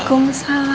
kau bisa lihat